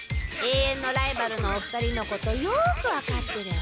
永遠のライバルのお二人のことよく分かってる。